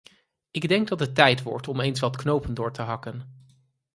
Ik denk dat het tijd wordt om eens wat knopen door te hakken.